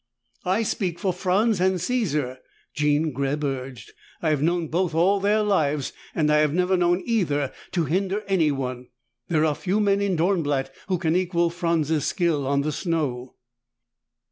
"I speak for Franz and Caesar," Jean Greb urged. "I have known both all their lives, and I have never known either to hinder anyone. There are few men in Dornblatt who can equal Franz's skill on the snow."